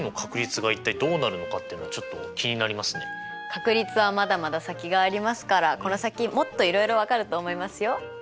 確率はまだまだ先がありますからこの先もっといろいろ分かると思いますよ。